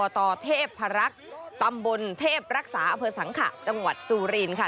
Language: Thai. ต่อเทพรักษ์ตำบลเทพรักษาอำเภอสังขะจังหวัดซูรินค่ะ